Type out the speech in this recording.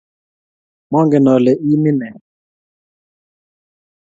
Mangen ale ii imin ne.